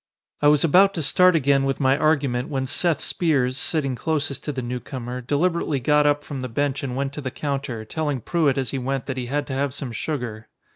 I was about to start again with my argument when Seth Spears, sitting closest to the newcomer, deliberately got up from the bench and went to the counter, telling Pruett as he went that he had to have some sugar.